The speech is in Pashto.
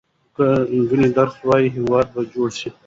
که نجونې درس ووايي، هېواد به جوړ شي.